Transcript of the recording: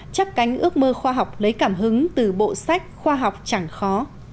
chắp cánh ước mơ khoa học lấy cảm hứng từ bộ sách khoa học chẳng khó